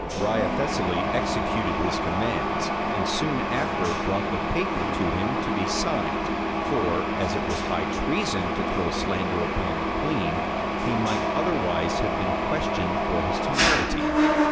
Wriothesely executed his commands; and soon after brought the paper to him to be signed; for, as it was high treason to throw slander upon the queen, he might otherwise have been questioned for his temerity.